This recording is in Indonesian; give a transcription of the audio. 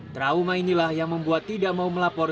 trauma inilah yang membuat tidak mau melapor